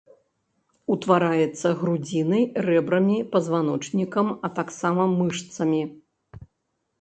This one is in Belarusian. Утвараецца грудзінай, рэбрамі, пазваночнікам, а таксама мышцамі.